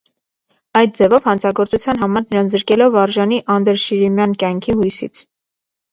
Այդ ձևով, հանցագործության համար նրան զրկելով արժանի անդրշիրիմյան կյանքի հույսից։